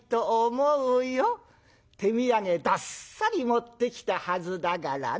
手土産どっさり持ってきたはずだからね